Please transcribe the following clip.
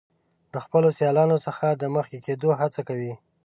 د خپلو سیالانو څخه د مخکې کیدو هڅه کوي.